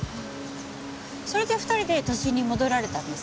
それで２人で都心に戻られたんですか？